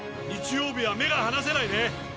日曜日は目が離せないね。